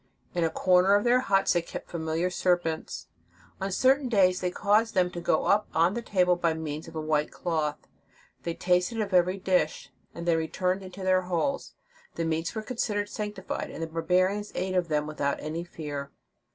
In a corner of their huts they kept familiar serpents. On certain days they caused them to go up on the table by means of a white table cloth : they tasted of every dish, and then returned into their holes. The meats were considered sancti fied, and the barbarians ate of them without any fear.